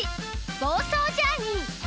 房総ジャーニー。